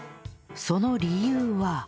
その理由は